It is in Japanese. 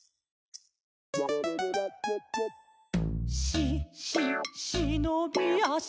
「し・し・しのびあし」